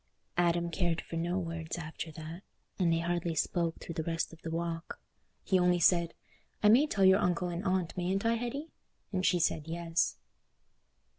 Adam cared for no words after that, and they hardly spoke through the rest of the walk. He only said, "I may tell your uncle and aunt, mayn't I, Hetty?" and she said, "Yes."